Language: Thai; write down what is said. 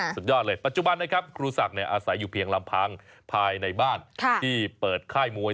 สุดยอดเลยปัจจุบันนะครับครูศักดิ์อาศัยอยู่เพียงลำพังภายในบ้านที่เปิดค่ายมวย